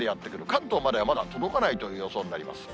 関東までは、まだ届かないという予想になります。